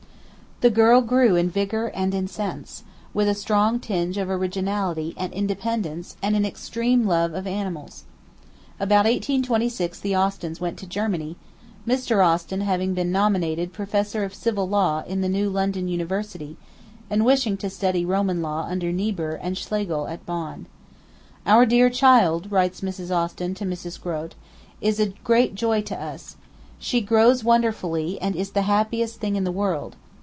The girl grew in vigour and in sense, with a strong tinge of originality and independence and an extreme love of animals. About 1826 the Austins went to Germany, Mr. Austin having been nominated Professor of Civil Law in the new London University, and wishing to study Roman Law under Niebuhr and Schlegel at Bonn. 'Our dear child,' writes Mrs. Austin to Mrs. Grote, 'is a great joy to us. She grows wonderfully, and is the happiest thing in the world.